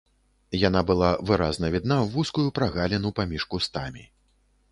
Яна была выразна відна ў вузкую прагаліну паміж кустамі.